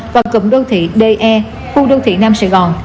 và cụm đô thị de khu đô thị nam sài gòn